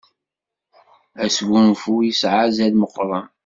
Asgunfu isεa azal meqqren.